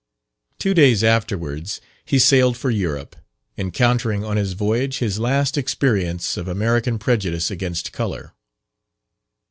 Two days afterwards he sailed for Europe, encountering on his voyage his last experience of American prejudice against colour.